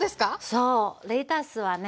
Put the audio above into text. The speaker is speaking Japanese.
そうレタスはね